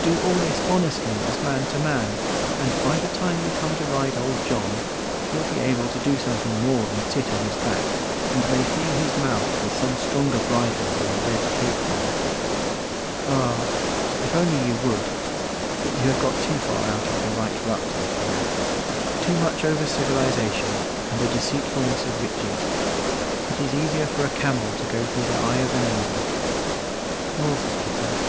Do all this honestly as man to man, and by the time you come to ride old John, you'll be able to do something more than sit on his back, and may feel his mouth with some stronger bridle than a red tape one. Ah, if you only would! But you have got too far out of the right rut, I fear. Too much over civilization, and the deceitfulness of riches. It is easier for a camel to go through the eye of a needle. More's the pity.